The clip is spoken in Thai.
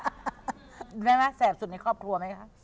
แสบสุดในครอบครัวไหมคะ